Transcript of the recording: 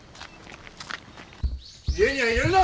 家には入れるな！